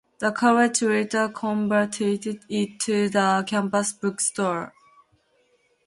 The college later converted it to the Campus Bookstore.